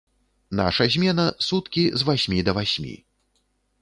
Наша змена, суткі з васьмі да васьмі.